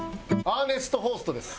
アーネスト・ホーストです！